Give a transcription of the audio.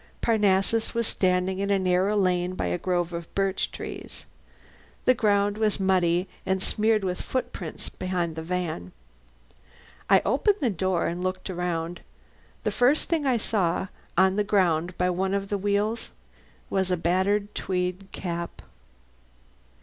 Parnassus was standing in a narrow lane by a grove of birch trees. The ground was muddy, and smeared with footprints behind the van. I opened the door and looked around. The first thing I saw, on the ground by one of the wheels, was a battered tweed cap.